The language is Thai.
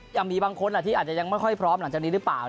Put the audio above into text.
ยังมีบางคนที่อาจจะยังไม่ค่อยพร้อมหลังจากนี้หรือเปล่า